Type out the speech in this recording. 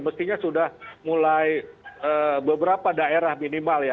mestinya sudah mulai beberapa daerah minimal ya